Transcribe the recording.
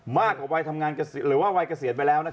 มากกว่าวัยทำงานหรือว่าวัยเกษียณไปแล้ว